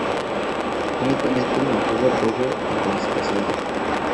Únicamente mantuvo apoyo en las Azores.